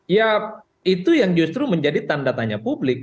ya itu yang justru menjadi tanda tanya publik